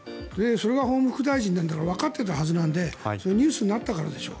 それは法務副大臣ならわかっていたはずなのでニュースになったからでしょ。